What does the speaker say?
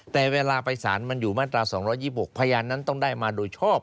แต่เวลาไปสารมันอยู่มาตรา๒๒๖พยานนั้นต้องได้มาโดยชอบ